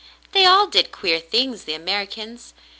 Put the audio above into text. They all did queer things — the Americans.